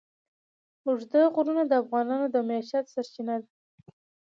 اوږده غرونه د افغانانو د معیشت سرچینه ده.